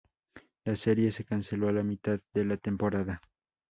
La serie se canceló a la mitad de la temporada.